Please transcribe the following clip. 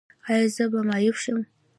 ایا زه به معیوب شم؟